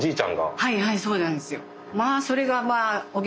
はいはいそうなんですよ。